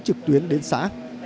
trực tuyến đến xã